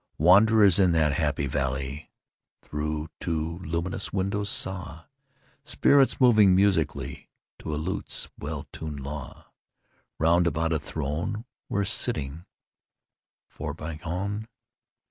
III. Wanderers in that happy valley Through two luminous windows saw Spirits moving musically To a lute's well tunéd law, Round about a throne, where sitting (Porphyrogene!)